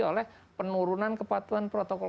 oleh penurunan kepatuhan protokol